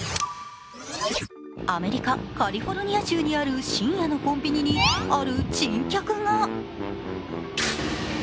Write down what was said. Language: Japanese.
アメリカ・カリフォルニア州にある深夜のコンビニに、ある珍客が。